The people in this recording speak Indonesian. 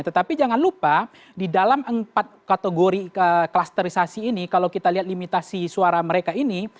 tetapi jangan lupa di dalam empat kategori klasterisasi ini kalau kita lihat limitasi suara mereka ini